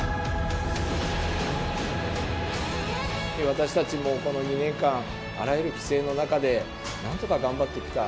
私たちもこの２年間、あらゆる規制の中で、なんとか頑張ってきた。